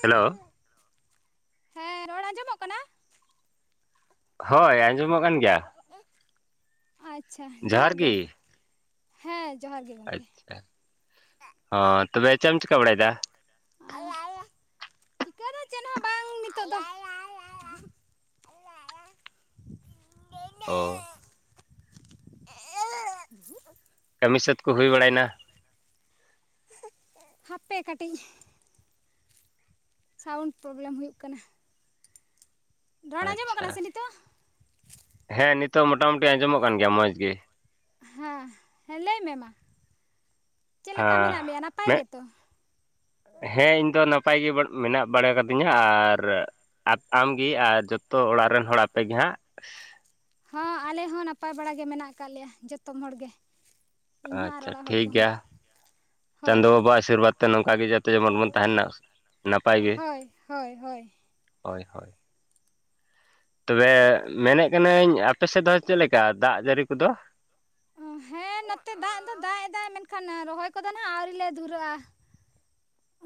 Hello ᱦᱮᱸ ᱨᱚᱲ ᱟᱸᱡᱚᱢᱚᱜ ᱠᱟᱱᱟ ᱦᱳᱭ ᱟᱸᱡᱚᱢᱚᱜ ᱠᱟᱱ ᱜᱮᱭᱟ ᱟᱪᱪᱷᱟ ᱡᱚᱦᱟᱨ ᱡᱚᱦᱟᱸᱨᱜᱮ ᱜᱤ ᱦᱮᱸ ᱡᱚᱦᱟᱨ ᱜᱮ ᱜᱚᱝᱠᱮ ᱦ ᱛᱚᱵᱮ ᱪᱮᱫ ᱮᱢ ᱪᱤᱠᱟ ᱵᱟᱲᱟᱭᱮᱫᱟ᱾ ᱟ ᱟ ᱪᱤᱠᱟᱹ ᱫᱚ ᱪᱮᱫᱦ ᱦᱚᱸ ᱵᱟᱝ ᱱᱤᱛᱚᱜ ᱫᱚ ᱚ ᱠᱟᱹᱢᱤ ᱥᱟᱹᱛ ᱠᱚ ᱦᱩᱭ ᱵᱟᱲᱟᱭᱱᱟ ᱦᱟᱯᱮ ᱠᱟᱹᱴᱤᱜ ᱥᱟᱣᱩᱱᱰ ᱯᱨᱚᱵᱞᱮᱢ ᱦᱩᱭᱩᱜ ᱠᱟᱱᱟ ᱨᱚᱲ ᱟᱸᱡᱚᱢᱚᱜ ᱟᱪᱪᱷᱟ ᱠᱟᱱᱟ ᱥᱮ ᱱᱤᱛᱚᱜ ᱦᱮᱸ ᱱᱤᱛᱚᱜ ᱢᱚᱴᱟᱟᱢᱩᱴᱤ ᱟᱸᱡᱚᱢᱚᱜ ᱠᱟᱱ ᱜᱮᱭᱟ ᱢᱚᱸᱡᱽ ᱜᱮ ᱦᱮᱸ ᱦᱮᱸ ᱞᱟᱹᱭ ᱢᱮ ᱢᱟ ᱪᱮᱫ ᱞᱮᱠᱟ ᱦᱮᱸ ᱢᱮᱱᱟᱜ ᱢᱮᱭᱟ ᱱᱟᱯᱟᱭ ᱪᱮᱫ ᱜᱮᱛᱚ ᱦᱮᱸ ᱤᱧᱫᱚ ᱱᱟᱯᱟᱭ ᱜᱮ ᱢᱮᱱᱟᱜ ᱵᱟᱲᱟ ᱠᱟᱹᱫᱤᱧᱟ ᱟᱨ ᱟᱢᱜᱮ ᱟᱨ ᱡᱚᱛᱚ ᱚᱲᱟᱜ ᱨᱮᱱ ᱦᱚᱲ ᱟᱯᱮ ᱜᱮ ᱦᱟᱸᱜ ᱦᱚᱸ ᱟᱞᱮ ᱦᱚᱸ ᱱᱟᱯᱟᱭ ᱵᱟᱲᱟᱜ ᱜᱮ ᱢᱮᱱᱟᱜ ᱟᱠᱟᱫ ᱞᱮᱭᱟ ᱡᱚᱛᱚᱢ ᱦᱚᱲ ᱜᱮ ᱤᱧ ᱦᱚᱸ ᱟᱨ ᱟᱪᱪᱷᱟ ᱚᱲᱟᱜ ᱦᱚᱲ ᱴᱷᱤᱠ ᱠᱚᱦᱚᱸ ᱜᱮᱭᱟ᱾ ᱦᱳᱭ ᱪᱟᱸᱫᱚ ᱦᱳᱭ ᱵᱟᱵᱟᱣᱟᱜ ᱟᱥᱤᱨᱵᱟᱫᱽ ᱛᱮ ᱱᱚᱝᱠᱟᱜ ᱜᱮ ᱡᱟᱛᱮ ᱡᱮᱢᱚᱱ ᱵᱚᱱ ᱛᱟᱦᱮᱸᱱᱟ ᱦᱳᱭ ᱦᱳᱭ ᱦᱳᱭ᱾ ᱦᱳᱭ ᱦᱳᱭ ᱛᱚᱵᱮ ᱢᱮᱱᱮᱫ ᱠᱟᱹᱱᱟᱹᱧ ᱟᱯᱮ ᱥᱮᱫ ᱫᱚ ᱪᱮᱫ ᱞᱮᱠᱟ ᱫᱟᱜ ᱡᱟᱹᱲᱤ ᱠᱚᱫᱚ ᱚ ᱦᱮᱸ ᱱᱚᱛᱮ ᱫᱟᱜ ᱫᱚ ᱫᱟᱜ ᱮ ᱫᱟᱭ ᱢᱮᱱᱠᱷᱟᱱ ᱨᱚᱦᱚᱭ ᱠᱚᱫᱚ ᱦᱟᱸᱜ ᱟᱹᱣᱨᱤ ᱞᱮ ᱫᱷᱩᱨᱟᱹᱜᱼᱟ᱾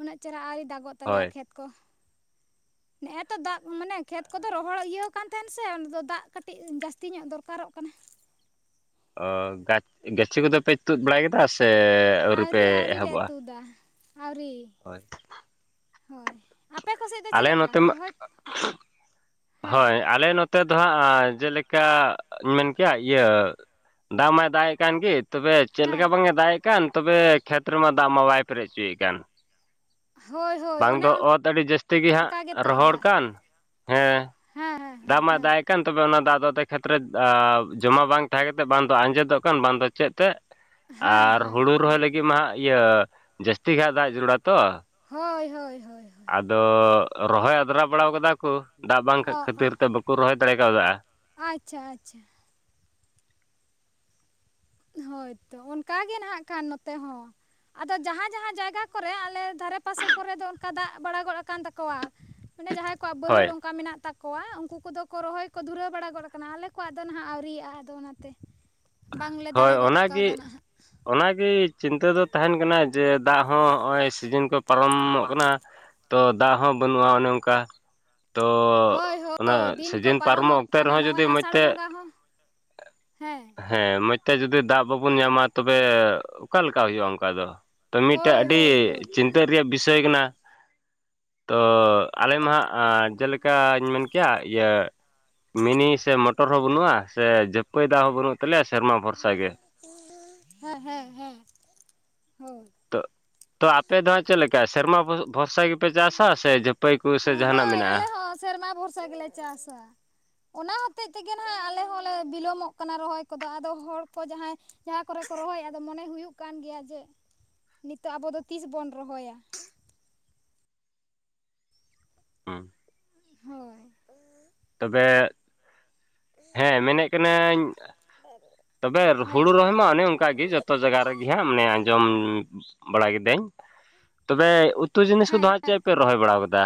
ᱩᱱᱟᱹᱜ ᱪᱮᱨᱟ ᱟᱹᱣᱨᱤ ᱫᱟᱜᱚᱜ ᱛᱟᱞᱮᱭᱟ ᱦᱳᱭ ᱠᱷᱮᱛ ᱠᱚ᱾ [unintelligible] ᱱᱮᱜᱼ ᱮ ᱛᱚ ᱫᱟᱜ ᱢᱟᱱᱮ ᱠᱷᱮᱛ ᱠᱚᱫᱚ ᱨᱚᱦᱚᱲ ᱤᱭᱟᱹᱠᱟᱱ ᱛᱟᱦᱮᱱ ᱥᱮ ᱚᱱᱟ ᱫᱚ ᱫᱟᱜ ᱠᱟᱹᱴᱤᱡ ᱡᱟᱹᱥᱛᱤ ᱧᱚᱜ ᱫᱚᱨᱠᱟᱨᱚᱜ ᱠᱟᱱᱟ᱾ ᱚ ᱜᱟᱪ ᱜᱟᱹᱪᱷᱤ ᱠᱚᱫᱚ ᱯᱮ ᱛᱩᱫ ᱵᱟᱲᱟᱭ ᱠᱮᱫᱟ ᱥᱮ ᱟᱹᱣᱨᱤ ᱯᱮ ᱮᱦᱚᱵᱟ ᱫᱟ ᱟᱹᱣᱨᱤ ᱦᱳᱭ ᱦᱳᱭ ᱟᱯᱮ ᱠᱚ ᱥᱮᱫ ᱫᱚ ᱟᱞᱮ ᱪᱮᱫ ᱞᱮᱠᱟ ᱱᱚᱛᱮ ᱢᱟ ᱨᱚᱦᱚᱭ ᱦᱮᱸ ᱦᱳᱭ ᱟᱞᱮ ᱱᱚᱛᱮ ᱫᱚ ᱦᱟᱸᱜ ᱡᱮᱞᱮᱠᱟᱧ ᱢᱮᱱ ᱠᱮᱭᱟ ᱤᱭᱟᱹ ᱫᱟᱜ ᱢᱟᱭ ᱫᱟᱜ ᱮᱜ ᱠᱟᱱ ᱜᱮ ᱛᱚᱵᱮ ᱪᱮᱫ ᱦᱮᱸ ᱞᱮᱠᱟ ᱵᱟᱝ ᱮ ᱫᱟᱜ ᱮᱫ ᱠᱟᱱ ᱛᱚᱵᱮ ᱠᱷᱮᱛ ᱨᱮᱢᱟ ᱫᱟᱜ ᱢᱟ ᱵᱟᱭ ᱯᱮᱨᱮᱡ ᱚᱪᱚᱭᱮᱫ ᱠᱟᱱ᱾ ᱦᱳᱭ ᱦᱳᱭ ᱵᱟᱝ ᱚᱱᱮ ᱫᱚ ᱚᱛ ᱟᱹᱰᱤ ᱡᱟᱹᱥᱛᱤ ᱜᱮ ᱦᱟᱸᱜ ᱚᱱᱠᱟ ᱜᱮᱛᱚ ᱨᱚᱦᱚᱲ ᱫᱟᱜ ᱠᱟᱱ ᱦᱮᱸ ᱦᱮᱸ ᱦᱮᱸ ᱦᱮᱸ ᱫᱟᱜ ᱢᱟ ᱦᱮᱸ ᱫᱟᱭ ᱦ ᱠᱟᱱ ᱛᱚᱵᱮ ᱚᱱᱟ ᱫᱟᱜ ᱫᱚ ᱠᱷᱮᱛ ᱨᱮ ᱡᱚᱢᱟ ᱵᱟᱝ ᱛᱟᱦᱮᱸ ᱠᱟᱛᱮᱫ ᱵᱟᱝᱫᱚ ᱟᱸᱡᱮᱫᱚᱜ ᱠᱟᱱ ᱵᱟᱝᱫᱚ ᱪᱮᱫ ᱛᱮᱫ ᱦᱮᱸ ᱟᱨ ᱦᱮᱸ ᱦᱩᱲᱩ ᱨᱚᱦᱚᱭ ᱞᱟᱹᱜᱤᱫ ᱢᱟ ᱦᱟᱸᱜ ᱤᱭᱟᱹᱻ ᱡᱟᱹᱥᱛᱤ ᱜᱮ ᱦᱟᱸᱜ ᱫᱟᱜ ᱡᱟᱹᱨᱩᱲᱟ ᱛᱚ ᱦᱳᱭ ᱦᱳᱭ ᱦᱳᱭ ᱦᱳᱭ ᱟᱫᱚ ᱨᱚᱦᱚᱭ ᱟᱫᱨᱟ ᱵᱟᱲᱟᱟᱣ ᱠᱟᱫᱟ ᱠᱚ, ᱫᱟᱜ ᱵᱟᱝᱟᱱ ᱠᱷᱟᱹᱛᱤᱨ ᱛᱮ ᱵᱟᱠᱚ ᱨᱚᱦᱚᱭ ᱫᱟᱲᱮ ᱠᱟᱣᱫᱟ ᱟᱪᱷᱟ ᱟᱪᱷᱟ ᱦᱳᱭ ᱛᱚ ᱚᱱᱠᱟ ᱜᱮ ᱱᱟᱦᱟᱜ ᱠᱷᱟᱱ ᱱᱚᱛᱮ ᱦᱚᱸ ᱟᱫᱚ ᱡᱟᱦᱟᱸ ᱡᱟᱦᱟᱸ ᱡᱟᱭᱜᱟ ᱠᱚᱨᱮ ᱟᱞᱮ ᱫᱷᱟᱨᱮ ᱯᱟᱥᱮ ᱠᱚᱨᱮ ᱫᱚ ᱚᱱᱠᱟ ᱫᱟᱜ ᱵᱟᱲᱟ ᱜᱚᱫ ᱟᱠᱟᱱ ᱛᱟᱠᱚᱣᱟ ᱢᱟᱱᱮ ᱡᱟᱦᱟᱸᱭ ᱠᱚᱣᱟᱜ ᱦᱳᱭ ᱵᱟᱹᱭᱦᱟᱹᱲ ᱚᱱᱠᱟ ᱢᱮᱱᱟᱜ ᱛᱟᱠᱚᱣᱟ ᱠᱚᱣᱟ ᱩᱱᱠᱩ ᱠᱚᱫᱚ ᱠᱚ ᱨᱚᱦᱚᱭ ᱠᱚ ᱫᱷᱩᱨᱟᱹᱣ ᱵᱟᱲᱟ ᱜᱚᱫ ᱠᱟᱱᱟ, ᱟᱞᱮ ᱠᱚᱣᱟᱜ ᱫᱚ ᱱᱟᱦᱟᱜ ᱟᱹᱣᱨᱤᱭᱟᱜᱼᱟ ᱟᱫᱚ ᱚᱱᱟᱛᱮ ᱵᱟᱝᱞᱮ ᱦᱳᱭ ᱫᱟᱲᱮ ᱜᱚᱫ ᱚᱱᱟᱜᱮ ᱠᱟᱣᱫᱟ ᱱᱟᱦᱟᱜ ᱚᱱᱟᱜᱮ ᱪᱤᱱᱛᱟᱹ ᱫᱚ ᱛᱟᱦᱮᱱ ᱠᱟᱱᱟ ᱡᱮ ᱫᱟᱜ ᱦᱚᱸ ᱱᱚᱜᱼᱚᱭ ᱥᱤᱡᱤᱱ ᱠᱚ ᱯᱟᱨᱚᱢᱚᱜ ᱠᱟᱱᱟ ᱛᱚ ᱫᱟᱜ ᱦᱚᱸ ᱵᱟᱹᱱᱩᱜᱼᱟ ᱚᱱᱮ ᱚᱱᱠᱟ ᱛᱚ ᱦᱳᱭ ᱦᱳᱭ ᱚᱱᱟ ᱫᱤᱱ ᱠᱚ ᱥᱤᱡᱤᱱ ᱯᱟᱨᱚᱢᱚᱜ ᱚᱠᱛᱮ ᱠᱟᱱᱟ ᱨᱮᱦᱚᱸ ᱡᱩᱫᱤ ᱱᱚᱜᱼᱚᱭ ᱢᱚᱡᱽ ᱟᱥᱟᱲ ᱛᱮ ᱵᱚᱸᱜᱟ ᱦᱚᱸ ᱦᱮᱸ ᱦᱮᱸ ᱢᱚᱡᱽ ᱛᱮ ᱡᱩᱫᱤ ᱫᱟᱜ ᱵᱟᱵᱚᱱ ᱧᱟᱢᱟ ᱛᱚᱵᱮ ᱚᱠᱟᱞᱮᱠᱟ ᱦᱩᱭᱩᱜᱼᱟ ᱚᱱᱠᱟ ᱫᱚ ᱛᱚ ᱢᱤᱫᱴᱮᱱ ᱦᱳᱭ ᱟᱹᱰᱤ ᱦᱳᱭ ᱦᱳᱭ ᱪᱤᱱᱛᱟᱹ ᱨᱮᱭᱟᱜ ᱵᱤᱥᱚᱭ ᱠᱟᱱᱟ ᱛᱚ ᱟᱞᱮ ᱢᱟ ᱦᱜ ᱡᱮᱞᱮᱠᱟᱧ ᱢᱮᱱ ᱠᱮᱭᱟ ᱤᱭᱟᱹ ᱢᱤᱱᱤ ᱥᱮ ᱢᱚᱴᱚᱨ ᱦᱚᱸ ᱵᱟᱹᱱᱩᱜᱼᱟ ᱥᱮ ᱡᱟᱹᱯᱟᱹᱭ ᱫᱟᱜ ᱦᱚᱸ ᱵᱟᱹᱱᱩᱜ ᱛᱟᱞᱮᱭᱟ ᱥᱮᱨᱢᱟ ᱵᱷᱚᱨᱥᱟ ᱜᱮ ᱦᱮᱸ ᱦᱮᱸ ᱦᱮᱸ ᱦᱳᱭ ᱛᱚ ᱛᱚ ᱟᱯᱮ ᱫᱚ ᱦᱜ ᱪᱮᱫ ᱞᱮᱠᱟ ᱥᱮᱨᱢᱟ ᱵᱷᱚᱨᱥᱟ ᱜᱮ ᱦᱳᱭ ᱟᱞᱮ ᱢᱮᱱᱟᱜᱼᱟ ᱦᱚᱸ ᱥᱮᱨᱢᱟ ᱵᱷᱚᱨᱥᱟ ᱜᱮᱞᱮ ᱪᱟᱥᱟ ᱚᱱᱟ ᱦᱚᱛᱮᱡ ᱛᱮᱜᱮ ᱱᱟᱦᱟᱜ ᱟᱞᱮ ᱦᱚᱸᱞᱮ ᱵᱤᱞᱚᱢᱚᱜ ᱠᱟᱱᱟ ᱨᱚᱦᱚᱭ ᱠᱚᱫᱚ ᱟᱫᱚ ᱦᱚᱲ ᱠᱚ ᱡᱟᱦᱟᱸᱭ ᱡᱟᱦᱟᱸ ᱠᱚᱨᱮ ᱠᱚ ᱨᱚᱦᱚᱭᱟ ᱟᱫᱚ ᱢᱚᱱᱮ ᱦᱩᱭᱩᱜ ᱠᱟᱱ ᱜᱮᱭᱟ ᱡᱮ ᱱᱤᱛᱚᱜ ᱟᱵᱚ ᱫᱚ ᱛᱤᱥ ᱵᱚᱱ ᱨᱚᱦᱚᱭᱟ [unintelligible] ᱦᱳᱭ ᱛᱚᱵᱮ ᱦᱮᱸ ᱢᱮᱱᱮᱫ ᱠᱟᱹᱱᱟᱹᱧ ᱛᱚᱵᱮ ᱦᱩᱲᱩ ᱦᱮᱸ ᱨᱚᱦᱚᱭ ᱚᱱᱮ ᱚᱱᱠᱟᱜᱮ ᱡᱚᱛᱚ ᱡᱟᱭᱜᱟ ᱨᱮᱜᱮ ᱦᱟᱸᱜ ᱢᱟᱱᱮ ᱟᱸᱡᱚᱢ ᱵᱟᱲᱟ ᱠᱤᱫᱟᱹᱧ ᱛᱚᱵᱮ ᱩᱛᱩ ᱡᱤᱱᱤᱥ ᱠᱚᱫᱚ ᱦᱟᱸᱜ ᱪᱮᱫ ᱯᱮ ᱨᱚᱦᱚᱭ ᱵᱟᱲᱟ ᱠᱟᱫᱟ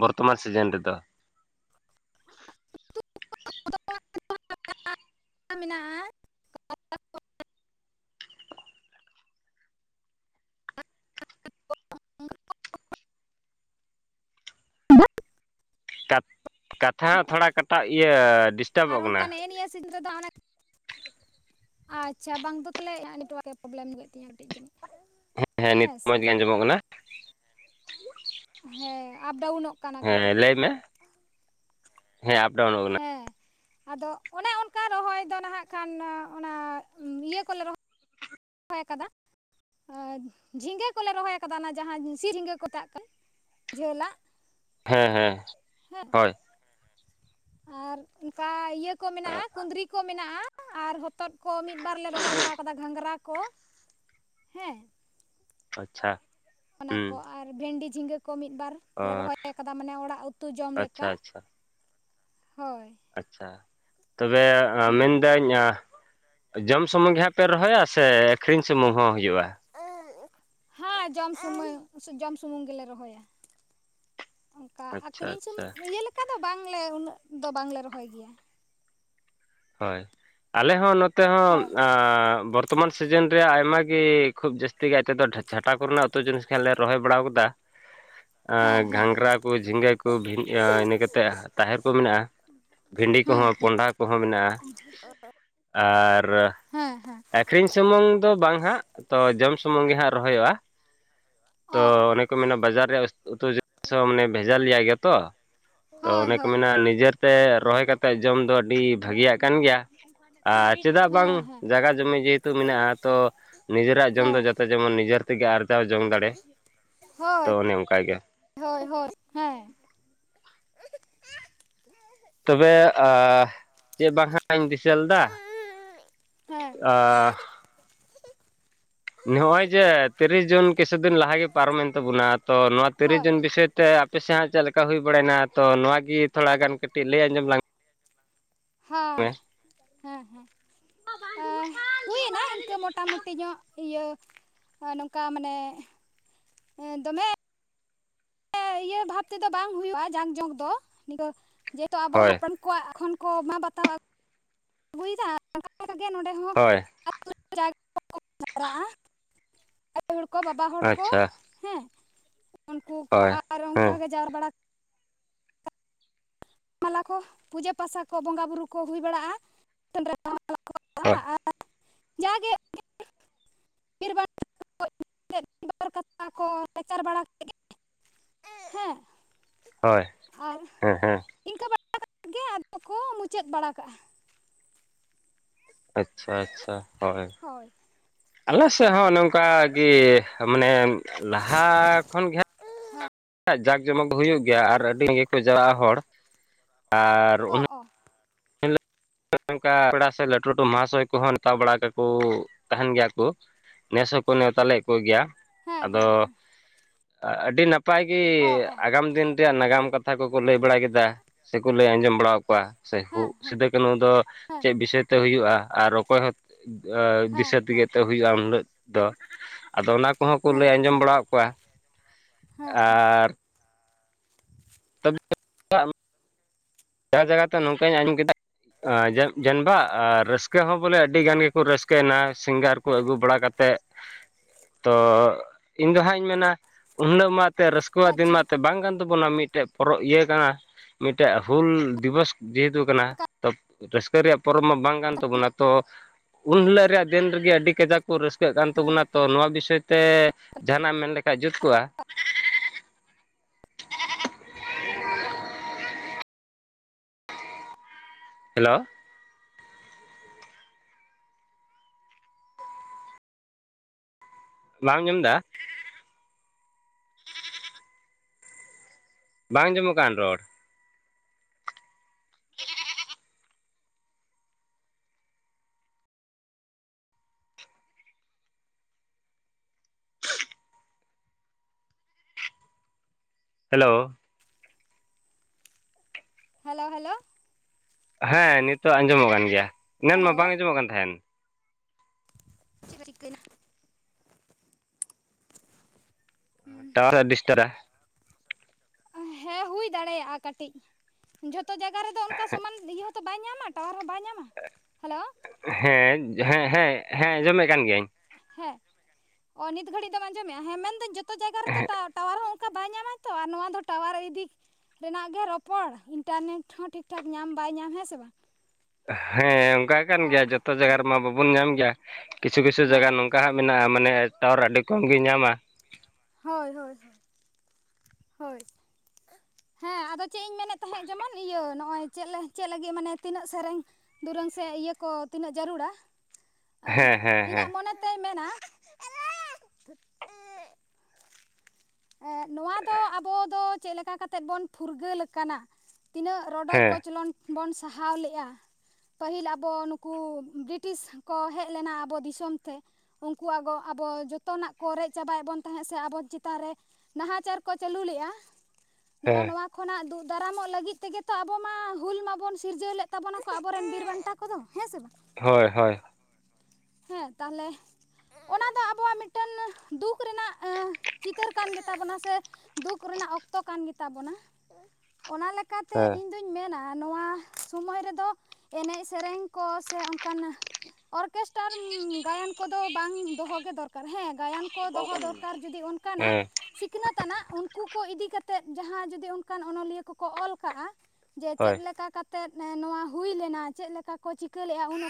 ᱵᱚᱨᱛᱚᱢᱟᱱ ᱥᱤᱡᱤᱱ ᱨᱮᱫᱚ [unintelligible] ᱢᱮᱱᱟᱜᱼᱟ ᱠᱟᱛᱷᱟ ᱦᱚᱸ ᱛᱷᱚᱲᱟ ᱠᱟᱴᱟᱜ ᱤᱭᱟᱹ ᱟᱨ ᱰᱤᱥᱴᱟᱵᱚᱜ ᱚᱱᱠᱟ ᱠᱟᱱᱟ ᱱᱮᱜᱼ ᱱᱤᱭᱟᱹ ᱥᱤᱸᱫᱽᱨᱟᱹ ᱫᱚ ᱟᱪᱷᱟ ᱵᱟᱝ ᱫᱚ ᱛᱟᱦᱞᱮ ᱱᱮᱴᱣᱟᱨᱠ ᱮ ᱯᱨᱚᱵᱞᱮᱢ ᱦᱩᱭᱩᱜ ᱛᱤᱧᱟᱹ ᱠᱟᱹᱴᱤᱡ ᱡᱟᱹᱱᱤᱡ ᱦᱮᱸ ᱦᱮᱸ ᱱᱤᱛ ᱦᱚᱸ ᱢᱚᱸᱡᱽ [unintelligible] ᱜᱮ ᱟᱸᱡᱚᱢᱚᱜ ᱠᱟᱱᱟ ᱦᱮᱸ ᱟᱯ ᱰᱟᱣᱩᱱᱚᱜ ᱦᱮᱸ ᱞᱟᱹᱭ ᱢᱮ ᱦᱮᱸ ᱟᱯᱰᱟᱣᱩᱱ ᱟᱠᱟᱱᱟ ᱦᱮᱸ ᱟᱫᱚ ᱚᱱᱮ ᱚᱱᱠᱟ ᱨᱚᱦᱚᱭ ᱫᱚ ᱱᱟᱦᱟᱜ ᱠᱷᱟᱱ ᱚᱱᱟ ᱤᱭᱟᱹ ᱠᱚᱞᱮ ᱨᱚᱦᱚᱭ ᱦᱚᱭ ᱟᱠᱟᱫᱟ ᱡᱷᱤᱸᱜᱟᱹ ᱠᱚᱞᱮ ᱨᱚᱦᱚᱭ ᱠᱟᱫᱟ ᱚᱱᱟ ᱡᱟᱦᱟᱸ ᱥᱤᱨ ᱡᱷᱤᱸᱜᱟᱹ ᱠᱚᱛᱟᱜ ᱠᱟᱱ ᱡᱷᱟᱹᱞᱟᱜ ᱦᱮᱸ ᱦᱮᱸ ᱦᱮᱸ ᱦᱳᱭ ᱟᱨ ᱚᱱᱠᱟ ᱤᱭᱟᱹ ᱠᱚ ᱢᱮᱱᱟᱜᱼᱟ ᱠᱩᱸᱫᱽᱨᱤ ᱠᱚ ᱢᱮᱱᱟᱜᱼᱟ ᱟᱨ ᱦᱚᱛᱚᱫ ᱠᱚ ᱢᱤᱫ ᱵᱟᱨ ᱞᱮ ᱨᱚᱦᱚᱭ ᱵᱟᱲᱟ ᱟᱠᱟᱫᱟ ᱜᱷᱟᱸᱝᱨᱟ ᱠᱚ ᱦᱮᱸ ᱟᱪᱷᱟ ᱚᱱᱟ ᱠᱚ ᱟᱨ ᱵᱷᱮᱱᱰᱤ ᱡᱷᱤᱸᱜᱟᱹ ᱠᱚ ᱢᱤᱫᱵᱟᱨ ᱞᱮ ᱚᱨ ᱨᱚᱦᱚᱭ ᱠᱟᱫᱟ ᱢᱟᱱᱮ ᱚᱲᱟᱜ ᱩᱛᱩ ᱡᱚᱢ ᱟᱪᱪᱷᱟ ᱞᱮᱠᱟ ᱟᱪᱪᱷᱟ ᱦᱳᱭ ᱟᱪᱪᱷᱟ ᱛᱚᱵᱮ ᱦᱩᱸ ᱢᱮᱱᱫᱟᱹᱧ ᱡᱚᱢ ᱥᱩᱢᱩᱝ ᱜᱮ ᱦᱟᱸᱜ ᱯᱮ ᱨᱚᱦᱚᱭᱟ ᱥᱮ ᱟᱹᱠᱷᱨᱤᱧ ᱥᱩᱢᱩᱝ ᱦᱚᱸ ᱦᱩᱭᱩᱜᱼᱟ ᱦᱮᱸ ᱡᱚᱢ ᱥᱩᱢ ᱡᱚᱢ ᱥᱩᱢᱩᱝ ᱜᱮᱞᱮ ᱨᱚᱦᱚᱭᱟ ᱚᱱᱠᱟ ᱟᱪᱪᱷᱟ ᱟᱹᱠᱷᱨᱤᱧ ᱥ ᱟᱪᱪᱷᱟ ᱤᱭᱟᱹ ᱞᱮᱠᱟ ᱫᱚ ᱵᱟᱝᱞᱮ ᱩᱱᱟᱹᱜ ᱫᱚ ᱵᱟᱝᱞᱮ ᱨᱚᱦᱚᱭ ᱜᱮᱭᱟ ᱦᱳᱭ ᱟᱞᱮ ᱦᱚᱸ ᱱᱚᱛᱮ ᱦᱚᱸ ᱦᱳᱭ ᱵᱚᱨᱛᱚᱢᱟᱱ ᱥᱤᱡᱤᱱ ᱨᱮᱭᱟᱜ ᱟᱭᱢᱟᱟᱜ ᱜᱮ ᱠᱷᱩᱵ ᱡᱟᱹᱥᱛᱤ ᱜᱮ ᱟᱛᱮᱮᱫ ᱫᱚ ᱡᱷᱟᱴᱟ ᱠᱚᱨᱮᱱᱟᱜ ᱩᱛᱩ ᱡᱤᱱᱤᱥ ᱠᱷᱟᱱᱞᱮ ᱨᱚᱦᱚᱭ ᱵᱟᱲᱟ ᱟᱠᱟᱫᱟ ᱦᱮᱸ ᱦᱮᱸ ᱜᱷᱟᱸᱝᱽᱨᱟ ᱦᱮᱸ ᱠᱚ ᱡᱷᱤᱸᱜᱟᱹ ᱠᱚ ᱤᱱᱟᱹ ᱠᱟᱛᱮ ᱛᱟᱦᱮᱨ ᱠᱚ ᱢᱮᱱᱟᱜᱼᱟ ᱵᱷᱤᱰᱤ ᱦᱮᱸ ᱠᱚᱦᱚᱸ ᱦᱮᱸ ᱠᱚᱱᱰᱟᱷᱟ ᱠᱚᱦᱚᱸ ᱢᱮᱱᱟᱜᱼᱟ ᱟᱨ ᱦᱮᱸ ᱦᱮᱸ ᱟᱹᱠᱷᱨᱤᱧ ᱥᱩᱢᱩᱝ ᱫᱚ ᱵᱟᱝ ᱦᱟᱸᱜ ᱛᱚ ᱡᱚᱢ ᱥᱩᱢᱩᱝ ᱜᱮ ᱦᱟᱸᱜ ᱨᱚᱦᱚᱭᱚᱜᱼᱟ ᱛᱚ ᱚ ᱚ ᱚᱱᱮ ᱠᱚ ᱢᱮᱱᱟ ᱵᱟᱡᱟᱨ ᱨᱮᱭᱟᱜ ᱩᱛᱩ ᱦᱚᱸ ᱢᱟᱱᱮ ᱵᱷᱮᱡᱟ ᱞᱮᱭᱟᱭ ᱜᱮᱭᱟ ᱛᱚ ᱛᱚ ᱦᱳᱭ ᱱᱤᱭᱟᱹ ᱦᱳᱭ ᱠᱟᱢᱤ ᱨᱮᱱᱟᱜ ᱦᱳᱭ ᱱᱤᱡᱮᱛᱮ ᱨᱚᱦᱚᱭ ᱠᱟᱛᱮᱫ ᱡᱚᱢ ᱫᱚ ᱟᱹᱰᱤ ᱵᱷᱟᱹᱜᱤᱭᱟᱜ ᱠᱟᱱ ᱜᱮᱭᱟ ᱟᱨ ᱪᱮᱫᱟᱜ ᱵᱟᱝ ᱦᱮᱸ ᱦᱮᱸ ᱡᱟᱭᱜᱟ ᱡᱚᱢᱤ ᱡᱮᱦᱮᱛᱩ ᱢᱮᱱᱟᱜᱼᱟ ᱛᱚ ᱱᱤᱡᱮᱨᱟᱜ ᱡᱚᱢ ᱫᱚ ᱦᱮᱸ ᱡᱟᱛᱮ ᱡᱮᱢᱚᱱ ᱱᱤᱡᱮᱨ ᱛᱮᱜᱮ ᱟᱨᱡᱟᱣ ᱡᱚᱝ ᱫᱟᱲᱮ ᱛᱚ ᱦᱳᱭ ᱚᱱᱮ ᱚᱱᱠᱟᱟᱜᱮ ᱦᱳᱭ ᱦᱳᱭ ᱦᱮᱸ ᱛᱚᱵᱮ ᱪᱮᱫ ᱵᱟᱝ ᱦᱟᱸᱜ ᱤᱧ ᱫᱤᱥᱟᱹ ᱞᱮᱫᱟ ᱦᱮᱸ ᱟ--ᱟ ᱱᱚᱜ ᱚᱭ ᱡᱮ ᱛᱤᱨᱤᱥ ᱡᱩᱱ ᱠᱤᱪᱷᱩ ᱫᱤᱱ ᱞᱟᱦᱟᱜᱮ ᱯᱟᱨᱚᱢᱮᱱ ᱛᱟᱵᱚᱱᱟ ᱛᱚ ᱱᱚᱣᱟ ᱛᱤᱨᱤᱥ ᱦᱳᱭ ᱡᱩᱱ ᱵᱤᱥᱚᱭ ᱛᱮ ᱟᱯᱮᱥᱮᱫ ᱦᱟᱸ ᱪᱮᱫ ᱞᱮᱠᱟ ᱦᱩᱭ ᱵᱟᱲᱟᱭᱮᱱᱟ ᱛᱚ ᱱᱚᱣᱟᱣᱟᱜᱮ ᱛᱷᱚᱲᱟ ᱜᱟᱱ ᱠᱟᱹᱴᱤᱡ ᱞᱟᱹᱭ ᱟᱸᱡᱚᱢ ᱞᱟᱝᱼᱟ ᱦᱚᱸ ᱦᱮᱸ ᱦᱮᱸ ᱦᱩᱭᱮᱱᱟ ᱤᱱᱠᱟᱹ ᱢᱚᱴᱟᱢᱩᱴᱤ ᱧᱚᱜ ᱤᱭᱟᱹ ᱱᱚᱝᱠᱟ ᱢᱟᱱᱮ ᱫᱚᱢᱮ ᱤᱭᱟᱹ ᱵᱷᱟᱵ ᱛᱮᱫᱚ ᱵᱟᱝ ᱦᱩᱭᱩᱜᱼᱟ ᱡᱟᱝ ᱡᱚᱝ ᱫᱚ ᱡᱮᱦᱮᱛᱩ ᱟᱵᱚ ᱦᱳᱭ ᱦᱟᱯᱲᱟᱢ ᱠᱚ ᱠᱚᱣᱟᱜ ᱠᱷᱚᱱ ᱠᱚ ᱢᱟ ᱵᱟᱛᱟᱣ ᱟᱜᱩ [unintelligible] ᱦᱳᱭ ᱟᱭᱳ ᱦᱚᱲ ᱠᱚ ᱵᱟᱵᱟ ᱦᱚᱲ ᱠᱚ ᱟᱪᱪᱷᱟ ᱦᱮᱸ ᱩᱱᱠᱩ ᱠᱚ ᱦᱳᱭ ᱟᱨ ᱦᱮᱸ ᱚᱱᱠᱟᱜ ᱜᱮ ᱡᱟᱣᱨᱟ ᱵᱟᱲᱟ [unintelligible] ᱠᱚ ᱯᱩᱡᱟᱹ ᱯᱟᱥᱟ ᱠᱚ ᱵᱚᱸᱜᱟ ᱵᱩᱨᱩ ᱠᱚ ᱦᱩᱭ ᱵᱟᱲᱟᱜᱼᱟ [inaudible] ᱦᱳᱭ [unintelligible] ᱡᱟᱜᱮ [unintelligible] [unintelligible] ᱠᱚ [unintelligible] ᱵᱟᱲᱟ [inaudible] ᱦᱮᱸ ᱟᱨ ᱦᱚ ᱦᱚᱸ ᱤᱱᱠᱟᱹ ᱵᱟᱲᱟ ᱠᱟᱛᱮᱫ ᱜᱮ ᱟᱫᱚ ᱠᱚ ᱢᱩᱪᱟᱹᱫ ᱵᱟᱲᱟ ᱠᱟᱜᱼᱟ ᱟᱪᱷᱟ ᱟᱪᱷᱟ ᱦᱳᱭ ᱦᱳᱭ ᱟᱞᱮ ᱥᱮᱫ ᱦᱳᱭ ᱦᱚᱸ ᱦᱳᱭ ᱚᱱᱮ ᱚᱱᱠᱟ ᱜᱮ ᱢᱟᱱᱮ ᱞᱟᱦᱟ ᱠᱷᱚᱱ ᱜᱮ ᱦᱟᱸ ᱡᱟᱠ ᱡᱚᱢᱚᱠ ᱦᱩᱭᱩᱜ ᱜᱮᱭᱟ ᱟᱨ ᱟᱹᱰᱤ ᱜᱮᱠᱚ ᱡᱟᱞᱟᱜᱼᱟ ᱦᱚᱲ ᱟᱨ ᱚ ᱚ ᱦᱤᱞᱳᱜ ᱱᱚᱝᱠᱟ ᱯᱮᱲᱟ ᱥᱮ ᱞᱟᱹᱴᱩ ᱞᱟᱹᱴᱩ ᱢᱚᱦᱟᱥᱚᱭ ᱠᱚᱦᱚᱸ ᱱᱮᱛᱟᱣ ᱵᱟᱲᱟ ᱠᱟᱠᱚ ᱛᱟᱦᱮᱱ ᱜᱮᱭᱟ ᱠᱚ ᱱᱮᱥ ᱦᱚᱸᱠᱚ ᱱᱮᱶᱛᱟᱞᱮᱫ ᱠᱚ ᱜᱮᱭᱟ ᱦᱮᱸ ᱦᱮᱸ ᱟᱫᱚ ᱟᱹᱰᱤ ᱱᱟᱯᱟᱭ ᱜᱮ ᱚ ᱚ ᱟᱜᱟᱢ ᱫᱤᱱ ᱱᱟᱜᱟᱢ ᱠᱟᱛᱷᱟ ᱠᱚᱠᱚ ᱞᱟᱹᱭ ᱵᱟᱲᱟ ᱠᱮᱫᱟ ᱥᱮᱠᱚ ᱞᱟᱹᱭ ᱟᱸᱡᱚᱢ ᱵᱟᱲᱟ ᱠᱚᱣᱟ ᱥᱮ ᱦᱮᱸ ᱠᱚ ᱦᱮᱸ ᱥᱤᱫᱟᱹ ᱠᱟᱱᱩ ᱫᱚ ᱦᱮᱸ ᱪᱮᱫ ᱵᱤᱥᱚᱭ ᱛᱮ ᱦᱩᱭᱩᱜᱼᱟ ᱟᱨ ᱚᱠᱚᱭ ᱦᱚᱸ ᱦᱮᱸ ᱫᱤᱥᱟᱹ ᱛᱮᱜᱮ ᱦᱮᱸ ᱦᱩᱭᱩᱜᱼᱟ ᱩᱱᱤᱞᱳᱜ ᱫᱚ ᱟᱫᱚ ᱚᱱᱟ ᱠᱚᱦᱚᱸ ᱠᱚ ᱦᱮᱸ ᱞᱟᱹᱭ ᱟᱸᱡᱚᱢ ᱦᱮᱸ ᱵᱟᱲᱟᱫ ᱠᱚᱣᱟ ᱦᱮᱸ ᱦᱮᱸ ᱟᱨ [inaudible] ᱡᱟ ᱡᱟᱭᱜᱟᱛᱮ ᱱᱚᱝᱠᱟᱧ ᱟᱸᱡᱚᱢ ᱠᱮᱫᱟ ᱡ ᱡᱟᱱᱵᱟ ᱟᱨ ᱨᱟᱹᱥᱠᱟᱹ ᱦᱚᱸ ᱵᱚᱞᱮ ᱟᱹᱰᱤ ᱜᱟᱱ ᱜᱮᱠᱚ ᱨᱟᱹᱥᱠᱟᱹᱭᱮᱱᱟ ᱥᱤᱝᱜᱟᱨ ᱠᱚ ᱟᱹᱜᱩ ᱵᱟᱲᱟ ᱠᱟᱛᱮᱫ ᱛᱚ ᱤᱧ ᱫᱚ ᱦᱟᱸᱜ ᱤᱧ ᱢᱮᱱᱟ [unintelligible] ᱛᱮ ᱨᱟᱹᱥᱠᱟᱹᱣᱟᱜ ᱫᱤᱱ ᱟᱪᱪᱷᱟ ᱢᱟ ᱛᱮ ᱵᱟᱝ ᱠᱟᱱ ᱛᱟᱵᱚᱱᱟ ᱢᱤᱫᱴᱮᱡ ᱯᱚᱨᱚᱵ ᱤᱭᱟᱹ ᱠᱟᱱᱟ ᱢᱤᱫᱴᱮᱡ ᱦᱩᱞ ᱫᱤᱵᱚᱥ ᱡᱮᱦᱮᱛᱩ ᱠᱟᱱᱟ ᱚᱠᱟ ᱛᱚ ᱨᱟᱹᱥᱠᱟᱹ ᱨᱮᱭᱟᱜ ᱯᱚᱨᱚᱵᱽ ᱢᱟ ᱵᱟᱝ ᱠᱟᱱ ᱛᱟᱵᱚᱱᱟ ᱛᱚ ᱩᱱᱦᱤᱞᱟᱹᱜ ᱨᱮᱭᱟ ᱡᱮᱞ ᱨᱮᱜᱮ ᱟᱹᱰᱤ ᱠᱟᱡᱟᱠ ᱠᱚ ᱨᱟᱹᱥᱠᱟᱹᱜ ᱠᱟᱱ ᱦᱮᱸ ᱛᱟᱵᱚᱱᱟ ᱛᱚ ᱱᱚᱣᱟ ᱵᱤᱥᱚᱭ ᱛᱮ ᱡᱟᱦᱟᱱᱟᱜ ᱮᱢ ᱢᱮᱱ ᱞᱮᱠᱷᱟᱡ ᱡᱩᱛ ᱠᱚᱜᱼᱟ ᱦᱮᱞᱳ ᱵᱟᱢ ᱟᱸᱡᱚᱢ ᱫᱟ ᱵᱟᱝ ᱟᱸᱡᱢᱚᱜ ᱠᱟᱱ ᱨᱚᱲ ᱦᱮᱞᱳ ᱦᱮᱞᱳ ᱦᱮᱞᱳ ᱦᱮᱸ ᱱᱤᱛᱚᱜ ᱟᱸᱡᱚᱢᱚᱜ ᱠᱟᱱ ᱜᱮᱭᱟ ᱮᱱᱟᱝ ᱢᱟ ᱦᱮᱞᱳ ᱵᱟᱝ ᱟᱸᱡᱚᱢᱚᱜ ᱠᱟᱱ ᱛᱟᱦᱮᱱ [unintelligible] ᱴᱟᱣᱟᱨ ᱟᱹᱰᱤ ᱰᱤᱥᱴᱟᱨᱟ [unintelligible] ᱦᱮᱸ ᱦᱩᱭ ᱫᱟᱲᱮᱭᱟᱜᱼᱟ ᱠᱟᱹᱴᱤᱡ ᱡᱷᱚᱛᱚ ᱡᱟᱭᱜᱟ ᱨᱮᱫᱚ ᱚᱱᱠᱟ ᱥᱚᱢᱟᱱ ᱤᱭᱟᱹ ᱛᱚ ᱵᱟᱭ ᱧᱟᱢᱟ ᱴᱟᱣᱟᱨ ᱦᱚᱸ ᱵᱟᱭ ᱧᱟᱢᱟ ᱦᱮᱞᱳ ᱦᱮᱸ ᱦᱮᱸ ᱦᱮᱸ ᱦᱮᱸᱚᱢᱮᱫ ᱠᱟᱱ ᱜᱤᱭᱟᱹᱧ ᱦᱮᱸ ᱚ ᱱᱤᱛ ᱜᱷᱟᱹᱲᱤᱡ ᱫᱚᱢ ᱟᱸᱡᱚᱢᱮᱫᱼᱟ ᱦᱮᱸ ᱢᱮᱱᱫᱟᱹᱧ ᱡᱚᱛᱚ ᱡᱟᱭᱜᱟ ᱨᱮᱛ ᱴᱟᱣᱟᱨ ᱦᱚᱸ ᱵᱟᱭ ᱧᱟᱢᱟ ᱛᱚ ᱟᱨ ᱱᱚᱣᱟ ᱫᱚ ᱴᱟᱣᱟᱨ ᱤᱫᱤ ᱨᱮᱱᱟᱜ ᱜᱮ ᱨᱚᱯᱚᱲ ᱤᱱᱴᱟᱨᱱᱮᱴ ᱦᱚᱸ ᱴᱷᱤᱠ ᱴᱷᱟᱠ ᱧᱟᱢ ᱵᱟᱭ ᱧᱟᱢ ᱦᱮᱸ ᱥᱮ ᱵᱟᱝ ᱦᱮᱸ ᱚᱱᱠᱟ ᱠᱟᱱ ᱚ ᱜᱮᱭᱟ ᱡᱚᱛᱚ ᱡᱟᱭᱜᱟ ᱨᱮᱢᱟ ᱵᱟᱵᱚᱱ ᱧᱟᱢ ᱜᱮᱭᱟ ᱠᱤᱪᱷᱩ ᱠᱤᱪᱷᱩ ᱦᱮᱸ ᱡᱟᱭᱜᱟ ᱦᱮᱸ ᱱᱚᱝᱠᱟ ᱦᱟᱸᱜ ᱢᱮᱱᱟᱜᱼᱟ ᱢᱟᱱᱮ ᱴᱟᱣᱟᱨ ᱟᱹᱰᱤ ᱠᱚᱢ ᱜᱮ ᱧᱟᱢᱟ ᱦᱳᱭ ᱦᱳᱭ ᱦᱳᱭ ᱦᱳᱭ ᱦᱮᱸ ᱟᱫᱚ ᱪᱮᱫ ᱤᱧ ᱢᱮᱱᱮᱫ ᱛᱟᱦᱮᱸᱫ ᱡᱮᱢᱚᱱ ᱤᱭᱟᱹ ᱱᱚᱜᱼᱚᱭ ᱪᱮᱫ ᱪᱮᱫ ᱞᱟᱹᱜᱤᱫ ᱢᱟᱱᱮ ᱛᱤᱱᱟᱹᱜ ᱥᱮᱨᱮᱧ ᱫᱩᱨᱟᱹᱝ ᱥᱮ ᱤᱭᱟᱹ ᱠᱚ ᱛᱤᱱᱟᱹᱜ ᱡᱟᱹᱨᱩᱲᱟ ᱮᱸ ᱦᱮᱸ ᱦᱮᱸ ᱦᱮᱸ ᱤᱧᱟᱹᱜ ᱢᱚᱱᱮᱛᱮᱭ ᱢᱮᱱᱟ ᱱᱚᱣᱟ ᱫᱚ ᱟᱵᱚ ᱫᱚ ᱪᱮᱫ ᱞᱮᱠᱟ ᱠᱟᱛᱮᱫ ᱵᱚᱱ ᱯᱷᱩᱨᱜᱟᱹᱞ ᱟᱠᱟᱱᱟ ᱛᱤᱱᱟᱹᱜ ᱨᱚᱰᱚᱡ ᱦᱮᱸ ᱠᱚᱪᱞᱚᱱ ᱵᱚᱱ ᱥᱟᱦᱟᱣ ᱞᱮᱫᱼᱟ ᱯᱟᱹᱦᱤᱞ ᱟᱵᱚ ᱱᱩᱠᱩ ᱵᱨᱤᱴᱤᱥ ᱠᱚ ᱦᱮᱡ ᱞᱮᱱᱟ ᱟᱵᱚ ᱫᱤᱥᱚᱢ ᱛᱮ ᱩᱱᱠᱩᱣᱟᱜᱚ ᱟᱵᱚ ᱡᱚᱛᱚᱱᱟᱜ ᱠᱚ ᱨᱮᱡ ᱪᱟᱵᱟᱭᱮᱫ ᱵᱚᱱ ᱛᱟᱦᱮᱸᱫ ᱥᱮ ᱟᱵᱚ ᱪᱮᱛᱟᱱ ᱨᱮ ᱱᱟᱦᱟᱪᱟᱨ ᱠᱚ ᱪᱟᱹᱞᱩ ᱞᱮᱫᱼᱟ ᱱᱚᱜᱼᱚ ᱦᱮᱸ ᱱᱚᱣᱟ ᱠᱷᱚᱱᱟᱜ ᱫᱩᱜ ᱫᱟᱨᱟᱢᱚᱜ ᱞᱟᱹᱜᱤᱫ ᱛᱮᱜᱮ ᱛᱚ ᱟᱵᱚ ᱢᱟ ᱦᱩᱞ ᱢᱟᱵᱚᱱ ᱥᱤᱨᱡᱟᱹᱣ ᱞᱮᱫ ᱛᱟᱵᱚᱱᱟᱠᱚ ᱟᱵᱚᱨᱮᱱ ᱵᱤᱨ ᱵᱟᱱᱴᱟ ᱠᱚ ᱠᱚᱫᱚ ᱦᱮᱸ ᱥᱮ ᱵᱟᱝ ᱦᱳᱭ ᱦᱳᱭ ᱦᱮᱸ ᱛᱟᱦᱚᱞᱮ ᱚᱱᱟ ᱫᱚ ᱟᱵᱚᱣᱟᱜ ᱢᱤᱫᱴᱮᱱ ᱫᱩᱠ ᱨᱮᱱᱟᱜ ᱪᱤᱛᱟᱹᱨ ᱚᱱᱟ ᱥᱮ ᱫᱩᱠ ᱨᱮᱱᱟᱜ ᱚᱠᱛᱚ ᱠᱟᱱ ᱜᱮᱛᱟᱵᱚᱱᱟ ᱚᱱᱟ ᱞᱮᱠᱟᱛᱮ ᱦᱮᱸ ᱤᱧᱫᱚᱧ ᱤᱧ ᱢᱮᱱᱟ ᱱᱚᱣᱟ ᱥᱚᱢᱚᱭ ᱨᱮᱫᱚ ᱮᱱᱮᱡ ᱥᱮᱨᱮᱧ ᱠᱚ ᱥᱮ ᱚᱱᱠᱟᱱ ᱚᱨᱜᱮᱥᱴᱟᱨ ᱜᱟᱭᱟᱱ ᱠᱚᱫᱚ ᱵᱟᱝ ᱫᱚᱦᱚᱜ ᱜᱮ ᱫᱚᱨᱠᱟᱨ ᱦᱮᱸ ᱜᱟᱭᱟᱱ ᱠᱚ ᱫᱚᱦᱚ ᱫᱚᱨᱠᱟᱨ ᱡᱩᱫᱤ ᱚᱱᱠᱟᱱᱟᱜ ᱦᱮᱸ ᱥᱤᱠᱷᱱᱟᱹᱛ ᱟᱱᱟᱜ ᱩᱱᱠᱩ ᱠᱚ ᱤᱫᱤ ᱠᱟᱛᱮ ᱡᱟᱦᱟᱸ ᱡᱩᱫᱤ ᱚᱱᱠᱟᱱ ᱚᱱᱚᱞᱤᱭᱟᱹ ᱠᱚᱠᱚ ᱚᱞ ᱠᱟᱜᱼᱟ ᱡᱮ ᱪᱮᱫ ᱦᱳᱭ ᱞᱮᱠᱟ ᱠᱟᱛᱮᱜ ᱱᱚᱣᱟ ᱦᱩᱭ ᱞᱮᱱᱟ ᱪᱮᱫ ᱞᱮᱠᱟ ᱠᱚ ᱪᱤᱠᱟᱹ ᱞᱮᱫᱼᱟ ᱩᱱ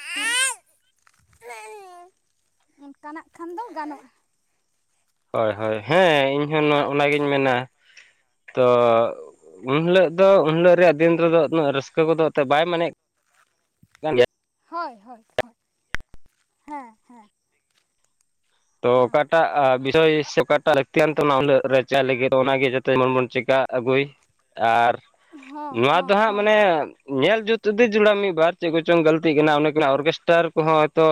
ᱚᱱᱠᱟᱱᱟᱜ ᱠᱷᱟᱱ ᱫᱚ ᱜᱟᱱᱚᱜᱼᱟ ᱦᱳᱭ ᱦᱳᱭ ᱦᱮᱸ ᱤᱧᱦᱚᱸ ᱱᱚᱣᱟ ᱚᱱᱟᱜᱤᱧ ᱢᱮᱱᱟ ᱛᱚ ᱩᱱ ᱦᱤᱞᱳᱜ ᱫᱚ ᱩᱱ ᱦᱤᱞᱳᱜ ᱨᱮᱭᱟᱜ ᱫᱤᱱ ᱨᱮᱫᱚ ᱩᱱᱟᱹᱜ ᱨᱟᱹᱥᱠᱟᱹ ᱠᱚᱫᱚ ᱮᱱᱛᱮᱫ ᱵᱟᱭ ᱢᱮᱱᱮᱫ ᱦᱳᱭ ᱦᱳᱭ ᱦᱳᱭ ᱦᱮᱸ ᱦᱮᱸ ᱛᱚ ᱦᱮᱸ ᱚᱠᱟᱴ ᱚᱠᱟᱴᱟᱜ ᱵᱤᱥᱚᱭ ᱥᱮ ᱚᱠᱟᱴᱟᱜ ᱞᱟᱹᱠᱛᱤᱭᱟᱱ ᱛᱜ ᱨᱟᱪᱟ ᱞᱟᱹᱜᱤᱫ ᱚᱱᱟᱜᱮ ᱡᱟᱛᱮ ᱡᱚᱱ ᱵᱚᱱ ᱪᱮᱠᱟ ᱟᱹᱜᱩᱭ ᱟᱨ ᱦᱚᱸ ᱱᱚᱣᱟ ᱫᱚ ᱦᱚᱸ ᱦᱟᱸᱜ ᱦᱚᱸ ᱢᱟᱱᱮ ᱧᱮᱞ ᱡᱩᱛᱫᱤ ᱡᱩᱲᱟ ᱢᱤᱫ ᱵᱟᱨ ᱪᱮᱫ ᱠᱚᱪᱚᱝ ᱜᱟᱹᱞᱛᱤ ᱠᱟᱱᱟ ᱚᱱᱮ ᱠᱟᱱᱟ ᱚᱨᱜᱮᱥᱴᱟᱨ ᱠᱚᱦᱚᱸ ᱦᱚᱭᱛᱳ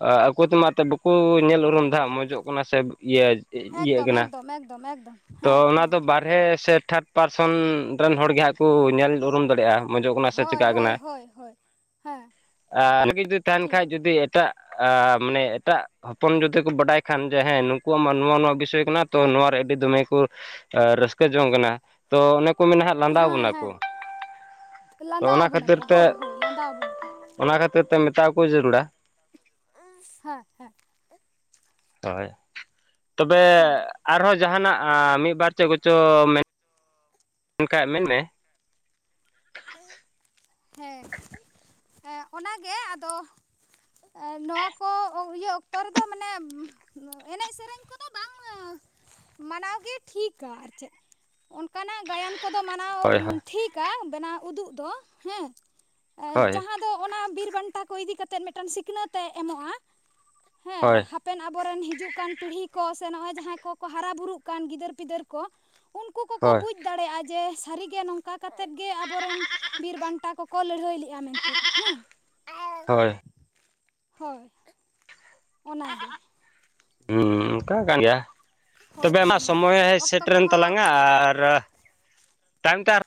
ᱟᱠᱚ ᱛᱮᱢᱟ ᱮᱱᱛᱮᱫ ᱵᱟᱠᱚ ᱧᱮᱞ ᱩᱨᱩᱢᱫᱟ ᱢᱚᱡᱚᱜ ᱠᱟᱱᱟ ᱥᱮ ᱤᱭᱟᱹ ᱤᱭᱟᱹᱜ ᱮᱠᱫᱚᱢ ᱠᱟᱱᱟ ᱮᱠᱫᱚᱢ ᱮᱠᱫᱚᱢ ᱮᱠᱫᱚᱢ ᱛᱚ ᱦᱮᱸ ᱚᱱᱟ ᱦᱮᱸ ᱫᱚ ᱵᱟᱴ ᱵᱟᱨᱦᱮ ᱥᱮ ᱛᱷᱟᱨᱰ ᱯᱟᱨᱥᱚᱱ ᱨᱮᱱ ᱦᱚᱲ ᱜᱮ ᱦᱟᱸᱜ ᱠᱚ ᱧᱮᱞ ᱩᱨᱩᱢ ᱫᱟᱲᱮᱭᱟᱜᱼᱟ ᱢᱚᱡᱚᱜ ᱠᱟᱱᱟ ᱥᱮ ᱦᱳᱭ ᱪᱤᱠᱟᱹᱜ ᱦᱳᱭ ᱠᱟᱱᱟ ᱦᱳᱭ ᱦᱳᱭ ᱦᱮᱸ [inaudible] ᱟᱨᱮ ᱡᱩᱫᱤ ᱛᱟᱦᱮᱱ ᱴᱷᱤᱠ ᱠᱷᱟᱡ ᱡᱩᱫᱤ ᱮᱴᱟᱜ ᱟᱸ ᱢᱟᱱᱮ ᱮᱴᱟᱜ ᱦᱚᱯᱚᱱ ᱡᱩᱫᱤ ᱠᱚ ᱵᱟᱰᱟᱭ ᱠᱷᱟᱱ ᱡᱮ ᱦᱮᱸ ᱱᱩᱠᱩᱣᱟᱜ ᱢᱟ ᱱᱚᱣᱟ ᱱᱚᱣᱟ ᱵᱤᱥᱚᱭ ᱠᱟᱱᱟ ᱛᱚ ᱦᱮᱸ ᱱᱚᱣᱟᱣ ᱨᱮ ᱟᱹᱰᱤ ᱫᱚᱢᱮ ᱠᱚ ᱨᱟᱹᱥᱠᱟᱹ ᱡᱚᱝ ᱠᱟᱱᱟ ᱛᱚ ᱚᱱᱮ ᱠᱩ ᱢᱮᱱᱟ ᱦᱟᱜ ᱞᱟᱸᱫᱟ ᱦᱮᱸ ᱵᱚᱱᱟ ᱠᱚ ᱦᱮᱸ ᱛᱚ ᱞᱟᱸᱫᱟ ᱚᱱᱟ ᱠᱷᱟᱹᱛᱤᱨ ᱟᱵᱚᱱᱟᱠᱚ ᱛᱮ ᱦᱳᱭ ᱦᱳᱭ ᱞᱟᱸᱫᱟ ᱟᱵᱚᱱᱟᱠᱚ ᱚᱱᱟ ᱠᱷᱟᱹᱛᱤᱨ ᱛᱮ ᱢᱮᱛᱟ ᱠᱚ ᱡᱟᱹᱨᱩᱲᱟ ᱦᱮᱸ ᱦᱮᱸ ᱦᱳᱭ ᱛᱚᱵᱮ ᱦᱳᱭ ᱟᱨᱦᱚᱸ ᱡᱟᱦᱟᱱᱟᱜ ᱢᱤᱫ ᱵᱟᱨ ᱪᱮᱫ ᱠᱚᱪᱚ ᱚᱱᱠᱟ ᱢᱮᱱᱢᱮ ᱦᱮᱸ ᱚᱱᱟᱜᱮ ᱟᱫᱚ ᱱᱚᱣᱟ ᱠᱚ ᱤᱭᱟᱹ ᱚᱠᱛᱚ ᱨᱮᱫᱚ ᱢᱟᱱᱮ ᱮᱱᱮᱡ ᱥᱮᱨᱮᱧ ᱠᱚᱫᱚ ᱵᱟᱝ ᱢᱟᱱᱟᱣ ᱜᱮ ᱴᱷᱤᱠᱟ ᱟᱨ ᱪᱮᱫ ᱚᱱᱠᱟᱱᱟᱜ ᱜᱟᱭᱟᱱ ᱠᱚᱫᱚ ᱢᱟᱱᱟᱣ ᱦᱳᱭ ᱦᱳᱭ ᱴᱷᱤᱠᱟ ᱵᱮᱱᱟᱣ ᱩᱫᱩᱜ ᱫᱚ ᱦᱮᱸ ᱦᱳᱭ ᱡᱟᱦᱟᱸ ᱚᱱᱟ ᱵᱤᱨ ᱵᱟᱱᱴᱟ ᱠᱚ ᱤᱫᱤ ᱠᱟᱛᱮ ᱢᱤᱫᱴᱟᱱ ᱥᱤᱠᱷᱱᱟᱹᱛ ᱮ ᱮᱢᱚᱜᱼᱟ ᱦᱮᱸ ᱦᱳᱭ ᱦᱟᱯᱮᱱ ᱟᱵᱚ ᱨᱮᱱ ᱦᱤᱡᱩᱜ ᱠᱟᱱ ᱯᱤᱲᱦᱤ ᱠᱚ ᱥᱮ ᱱᱚᱜᱼᱚᱭ ᱡᱟᱦᱟᱸᱭ ᱠᱚᱠᱚ ᱦᱟᱨᱟ ᱵᱩᱨᱩᱜ ᱠᱟᱱ ᱜᱤᱫᱟᱹᱨ ᱯᱤᱫᱟᱹᱨ ᱠᱚ ᱩᱱᱠᱩ ᱠᱚᱠᱚ ᱦᱳᱭ ᱵᱩᱡᱽ ᱫᱟᱲᱮᱭᱟᱜᱼᱟ ᱡᱮ ᱥᱟᱹᱨᱤ ᱜᱮ ᱱᱚᱝᱠᱟ ᱠᱟᱛᱮᱫ ᱜᱮ ᱟᱵᱚᱨᱮᱱ ᱵᱤᱨᱵᱟᱱᱴᱟ ᱠᱚᱠᱚ ᱞᱟᱹᱲᱦᱟᱹᱭ ᱞᱮᱫᱼᱟ ᱢᱮᱱᱛᱮ ᱦᱮᱸ ᱦᱳᱭ ᱦᱳᱭ ᱚᱱᱟᱜᱮ ᱦᱮᱸ ᱚᱱᱠᱟ ᱠᱟᱱ ᱜᱮᱭᱟ ᱦᱳᱭ ᱛᱚᱵᱮ ᱛᱚ ᱟᱢᱟᱜ ᱢᱟ ᱥᱚᱢᱚᱭ ᱚᱠᱛᱚ ᱥᱮᱴᱨᱮᱱ ᱠᱚᱦᱚᱸ ᱛᱟᱞᱟᱝᱟ ᱛᱚᱵᱮ ᱟᱨ ᱛᱟᱭᱚᱢ ᱛᱮ